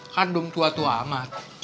kan dong tua tua amat